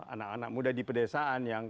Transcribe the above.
anak anak muda di pedesaan yang